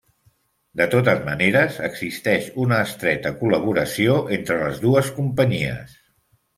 De totes maneres, existeix una estreta col·laboració entre les dues companyies.